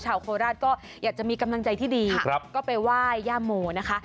โคราชก็อยากจะมีกำลังใจที่ดีก็ไปไหว้ย่าโมนะคะ